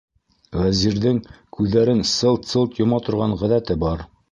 Вәзирҙең күҙҙәрен сылт-сылт йома торған ғәҙәте бар.